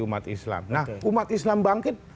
umat islam nah umat islam bangkit